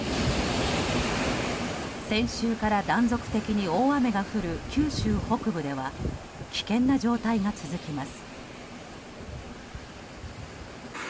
先週から断続的に大雨が降る九州北部では危険な状態が続きます。